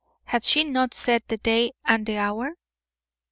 had she not set the day and the hour?